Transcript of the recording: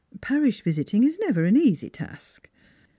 Parish visiting is never an easy task."